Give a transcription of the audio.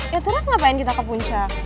ya terus ngapain kita ke puncak